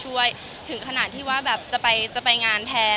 พยายามทางช่วยถึงขนาดที่ว่าแบบจะไปงานแทน